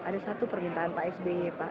ada satu permintaan pak sby pak